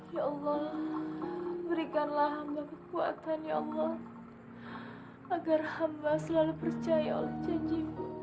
ya allah berikanlah hamba kekuatan ya allah agar hamba selalu percaya oleh janjimu